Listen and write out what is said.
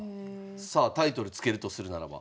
さあタイトル付けるとするならば？